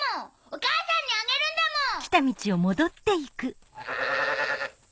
お母さんにあげるんだもん！